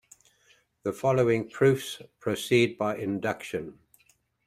The following proofs proceed by induction.